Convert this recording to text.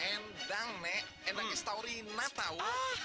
endang nek enaknya staurina tau